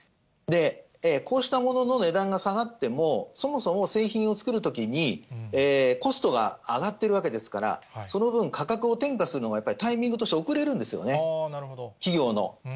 こうしたものの値段が下がっても、そもそも製品を作るときに、コストが上がってるわけですから、その分、価格を転嫁するのが、やっぱりタイミングとして遅れるんですよね、企業の。